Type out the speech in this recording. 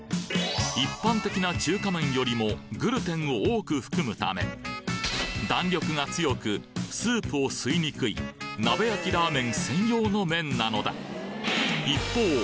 一般的な中華麺よりもグルテンを多く含むため弾力が強くスープを吸いにくい鍋焼きラーメン専用の麺なのだ一方